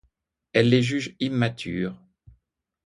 Elle les juge immatures.